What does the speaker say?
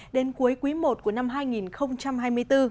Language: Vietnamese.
đến cuối quý i của năm hai nghìn hai mươi bốn